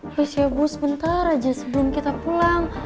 please ya bu sebentar aja sebelum kita pulang